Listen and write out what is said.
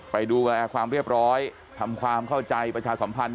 ไปดูแลความเรียบร้อยทำความเข้าใจประชาสัมพันธ์